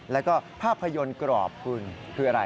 แล้วก็ภาพยนตร์กรอบคุณคืออะไร